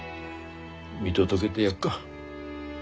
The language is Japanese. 見届げでやっか。